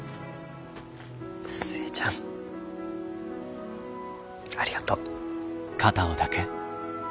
寿恵ちゃんありがとう。